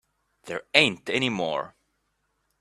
There ain't any more.